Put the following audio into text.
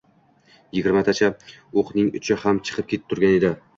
Yigirmatacha o‘qning uchi ham chiqib turgan edi.